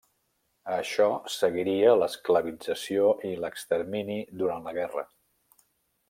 A això seguiria l'esclavització i l'extermini durant la guerra.